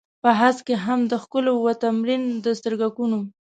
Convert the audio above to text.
په هسک کې هم د ښکليو و تمرين د سترگکونو.